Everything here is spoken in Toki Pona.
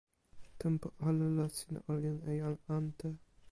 tenpo ale la sina olin e jan ante.